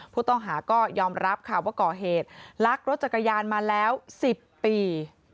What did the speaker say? ผู้ต้องหาก็ยอมรับค่ะว่าก่อเหตุลักรถจักรยานมาแล้ว๑๐ปี